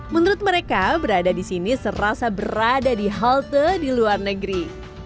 menurut mereka berada di sini serasa berada di halte di luar negeri